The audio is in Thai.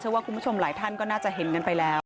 ว่าคุณผู้ชมหลายท่านก็น่าจะเห็นกันไปแล้ว